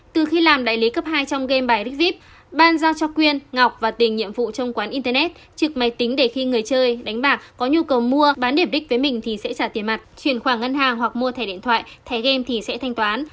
từ khi làm đại lý cấp hai trong game bài ric ban giao cho quyên ngọc và tình nhiệm vụ trong quán internet trực máy tính để khi người chơi đánh bạc có nhu cầu mua bán điểm đích với mình thì sẽ trả tiền mặt chuyển khoản ngân hàng hoặc mua thẻ điện thoại thẻ game thì sẽ thanh toán